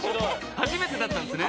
初めてだったんですね？